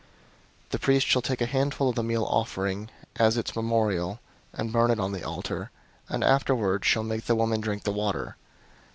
005:026 The priest shall take a handful of the meal offering, as the memorial of it, and burn it on the altar, and afterward shall make the woman drink the water.